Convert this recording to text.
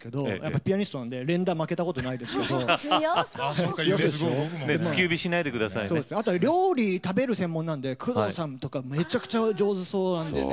ピアニストなので連打負けたことがないんですがあとは料理は食べる専門なので工藤さんはめちゃくちゃ上手そうなんですよね。